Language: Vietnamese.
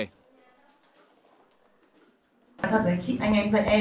thật đấy chị anh em dạy em